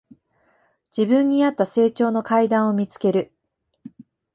自分にあった成長の階段を見つける